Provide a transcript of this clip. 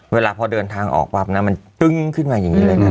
เวลาพอเดินทางออกปั๊บนะมันตึ้งขึ้นมาอย่างนี้เลยนะ